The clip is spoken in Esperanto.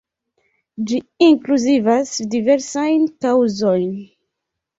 Ĝi inkluzivas diversajn kaŭzojn.